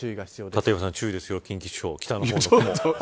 立岩さん、注意ですよ。